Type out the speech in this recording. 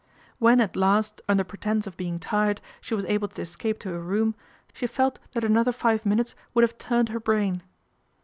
When at last, under pretence of being tired, she was able to escape to her room, she felt that another five minutes would have turned her brain.